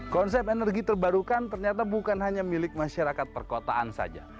konsep energi terbarukan ternyata bukan hanya milik masyarakat perkotaan saja